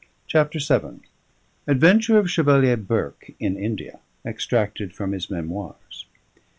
CHAPTER VII ADVENTURE OF CHEVALIER BURKE IN INDIA Extracted from his Memoirs